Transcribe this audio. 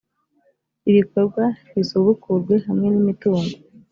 ibikorwa bisubukurwe hamwe n imitungo